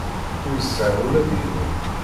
Ur sɛiɣ ula d yiwen.